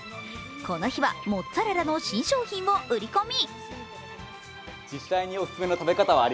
この日はモッツァレラの新商品を売り込み。